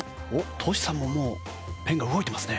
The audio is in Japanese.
トシさんももうペンが動いてますね。